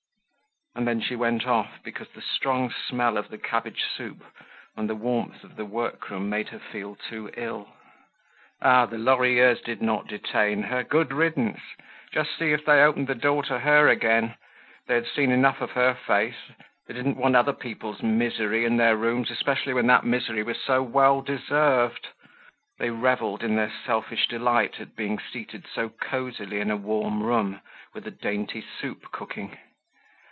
And then she went off, because the strong smell of the cabbage soup and the warmth of the workroom made her feel too ill. Ah! the Lorilleuxs did not detain her. Good riddance; just see if they opened the door to her again. They had seen enough of her face. They didn't want other people's misery in their rooms, especially when that misery was so well deserved. They reveled in their selfish delight at being seated so cozily in a warm room, with a dainty soup cooking.